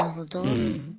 うん。